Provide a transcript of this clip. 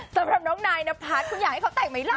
สำหรับน้องนายนพัฒน์คุณอยากให้เขาแต่งไหมล่ะ